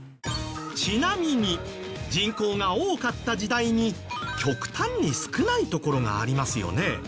ちなみに人口が多かった時代に極端に少ないところがありますよね。